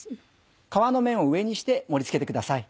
皮の面を上にして盛り付けてください。